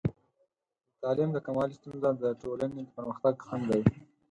د تعلیم د کموالي ستونزه د ټولنې د پرمختګ خنډ دی.